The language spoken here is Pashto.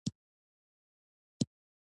د احضار او بل ځای ته د لیږلو پر مهال.